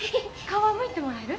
皮むいてもらえる？